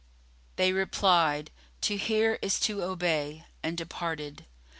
They replied, "To hear is to obey," and departed.